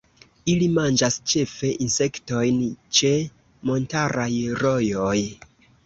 Ili manĝas ĉefe insektojn ĉe montaraj rojoj.